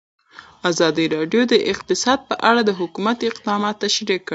ازادي راډیو د اقتصاد په اړه د حکومت اقدامات تشریح کړي.